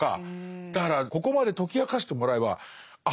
だからここまで解き明かしてもらえばあ